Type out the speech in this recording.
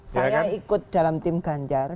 saya ikut dalam tim ganjar